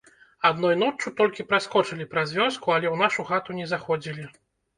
Адной ноччу толькі праскочылі праз вёску, але ў нашу хату не заходзілі.